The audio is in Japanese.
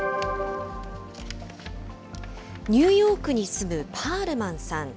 ニューヨークに住むパールマンさん。